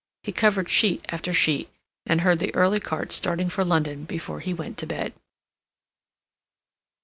He covered sheet after sheet, and heard the early carts starting for London before he went to bed.